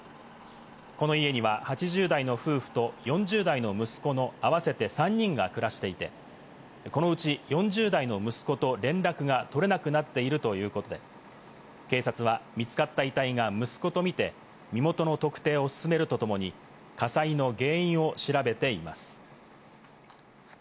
この家には８０代の夫婦と４０代の息子の合わせて３人が暮らしていて、このうち４０代の息子と連絡が取れなくなっているということで、警察は見つかった遺体が息子とみて身元の特定を進めるとともに、火災の原因を調べています。